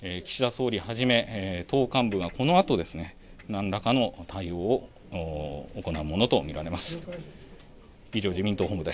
総理はじめ、党幹部がこのあと、なんらかの対応を行うものと見られます。